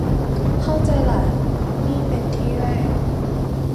เข้าใจล่ะ นี่เป็นที่แรก